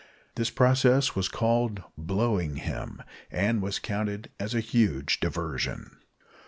This process was called "blowing him," and was counted a huge diversion.